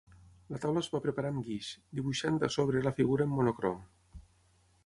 La taula es va preparar amb guix, dibuixant a sobre la figura en monocrom.